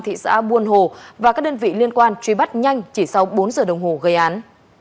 thị xã buôn hồ và các đơn vị liên quan truy bắt nhanh chỉ sau bốn giờ đồng hồ gây án